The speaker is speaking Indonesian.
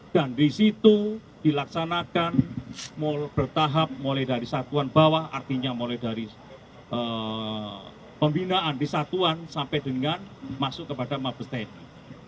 di situ dilaksanakan bertahap mulai dari satuan bawah artinya mulai dari pembinaan di satuan sampai dengan masuk kepada mabes tni